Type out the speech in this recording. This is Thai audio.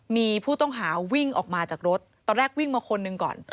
มีผู้ต้องหาวิ่งออกมาจากรถตอนแรกวิ่งมาคนหนึ่งก่อน